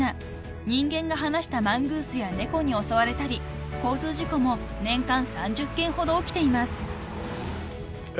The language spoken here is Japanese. ［人間が放したマングースや猫に襲われたり交通事故も年間３０件ほど起きています］